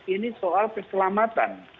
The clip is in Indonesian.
ini soal keselamatan